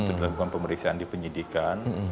untuk dilakukan pemeriksaan di penyidikan